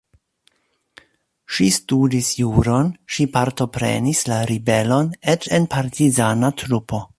Ŝi studis juron, ŝi partoprenis la ribelon, eĉ en partizana trupo.